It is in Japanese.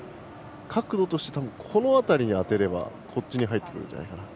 角度としてはこの辺りに当てればこっちに入ってくるんじゃないかな。